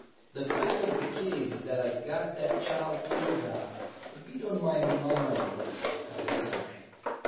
"The fact of the case is that I'd got that child Hilda a bit on my mind at the time.